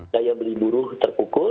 daya beli buruh terpukul